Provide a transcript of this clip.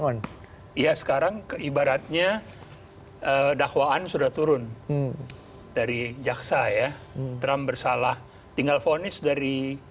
on iya sekarang ke ibaratnya dakwaan sudah turun dari jaksa ya terambah salah tinggal ponis dari